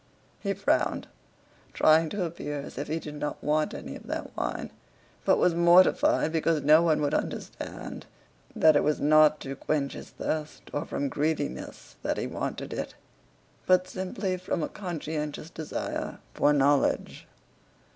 He frowned, trying to appear as if he did not want any of that wine, but was mortified because no one would understand that it was not to quench his thirst or from greediness that he wanted it, but simply from a conscientious desire for knowledge.